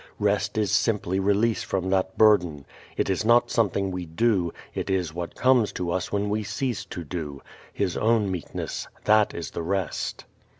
Rest is simply release from that burden. It is not something we do, it is what comes to us when we cease to do. His own meekness, that is the rest.